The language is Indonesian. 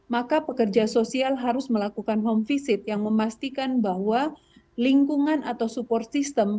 maka pekerja sosial harus melakukan home visit yang memastikan bahwa lingkungan atau support system